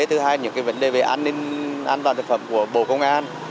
thứ hai là những vấn đề về an toàn thực phẩm của bộ công an